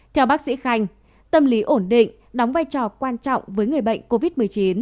theo bác sĩ khanh tâm lý ổn định đóng vai trò quan trọng với người bệnh covid một mươi chín